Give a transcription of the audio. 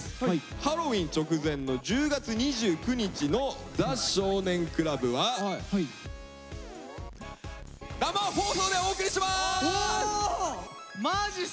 ハロウィーン直前の１０月２９日の「ザ少年倶楽部」は生放送でお送りします！